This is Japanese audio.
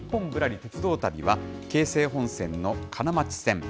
鉄道旅は、京成本線の金町線。